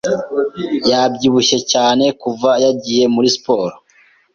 Yabyibushye cyane kuva yagiye muri siporo.